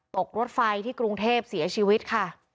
ตกรถไฟที่กรุงเทพเสียชีวิตค่ะ